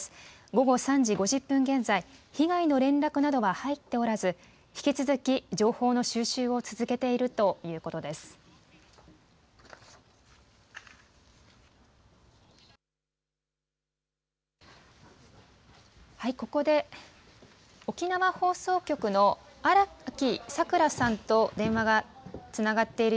午後３時５０分現在、被害の連絡などは入っておらず引き続き情報の収集を続けているということです。